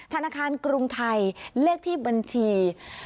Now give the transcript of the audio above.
ธนาคารกรุงไทยเลขที่บัญชี๕๙๓๐๓๑๔๔๔๖